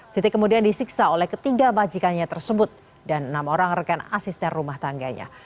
siti kemudian disiksa oleh ketiga majikannya tersebut dan enam orang rekan asisten rumah tangganya